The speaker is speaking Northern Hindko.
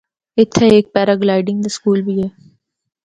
اِتھا ہک پیرا گلائیڈنگ دا سکول بھی اے۔